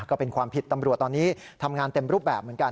ก็เป็นความผิดตำรวจตอนนี้ทำงานเต็มรูปแบบเหมือนกัน